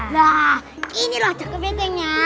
nah inilah kepitnya